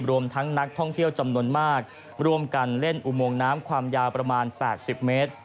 รวมทั้งนักท่องเที่ยวจำนวนมากร่วมกันเล่นอุโมงน้ำความยาวประมาณ๘๐เมตร